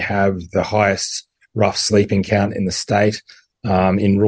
kami memiliki jumlah tidur yang paling keras di negara